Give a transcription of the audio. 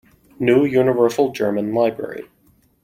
New Universal German Library.